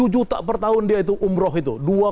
sepuluh juta per tahun dia itu umroh itu